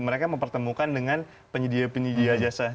mereka mempertemukan dengan penyedia penyedia jasa